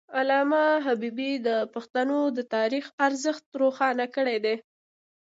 علامه حبيبي د پښتنو د تاریخ ارزښت روښانه کړی دی.